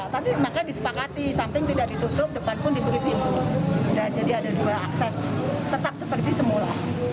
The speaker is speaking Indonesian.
tapi maka disepakati samping tidak ditutup depan pun diberi pintu jadi ada dua akses tetap seperti semula